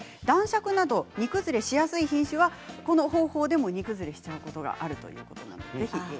男爵など煮崩れしやすい品種はこの方法でも煮崩れすることがあるということです。